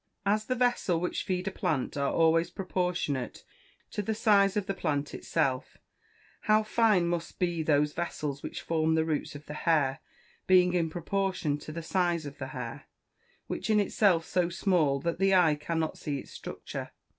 As the vessel which feed a plant are always proportionate to the size of the plant itself, how fine must be those vessels which form the roots of the hair, being in proportion to the size of the hair, which is in itself so small that the eye cannot see its structure?